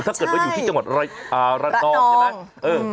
ถ้าเกิดว่าอยู่ที่จังหวัดระนองใช่ไหม